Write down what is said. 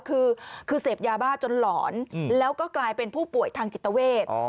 คือเสพยาบ้าจนหลอนแล้วก็กลายเป็นผู้ป่วยทางจิตเวท